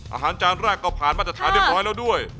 จานแรกก็ผ่านมาตรฐานเรียบร้อยแล้วด้วย